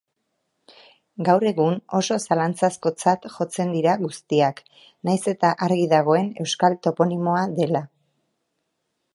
Gaur egun, oso zalantzazkotzat jotzen dira guztiak, nahiz eta argi dagoen euskal toponimoa dela